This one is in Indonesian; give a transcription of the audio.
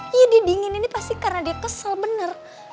iya dia dingin ini pasti karena dia kesel bener